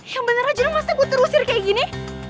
ya bener aja masa gue terusir kayak gini